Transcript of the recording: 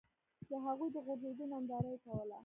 د هغوی د غورځېدو ننداره یې کوله.